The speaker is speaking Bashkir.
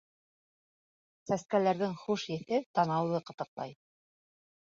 Сәскәләрҙең хуш еҫе танауҙы ҡытыҡлай.